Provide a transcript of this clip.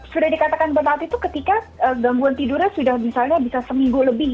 sudah dikatakan burnout itu ketika gangguan tidurnya sudah misalnya bisa seminggu lebih